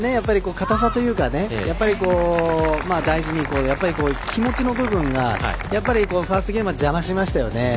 硬さというか気持ちの部分がファーストゲームは邪魔しましたよね。